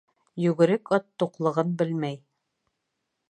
Йүгерек ат туҡлығын белмәй.